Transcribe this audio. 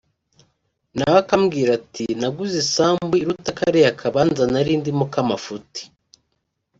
Nawe akambwira ati ‘Naguze isambu iruta kariya kabanza nari ndimo k’amafuti